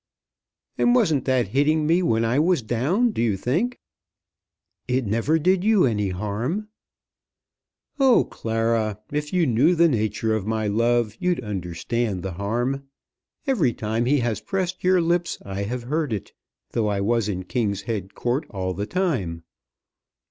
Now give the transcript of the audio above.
"And wasn't that hitting me when I was down, do you think?" "It never did you any harm." "Oh, Clara; if you knew the nature of my love you'd understand the harm. Every time he has pressed your lips I have heard it, though I was in King's Head Court all the time."